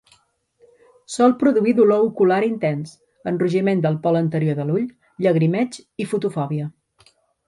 Sol produir dolor ocular intens, enrogiment del pol anterior de l'ull, llagrimeig i fotofòbia.